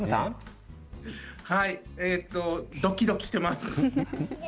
ドキドキしています。